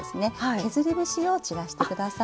削り節を散らしてください。